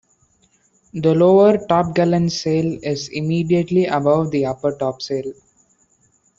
The lower topgallant sail is immediately above the upper topsail.